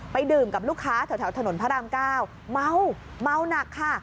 ดื่มกับลูกค้าแถวถนนพระรามเก้าเมาเมาหนักค่ะ